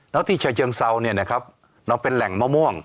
แล้วที่ฉะเชิงเซาเนี่ยนะครับเราเป็นแหล่งมะม่วง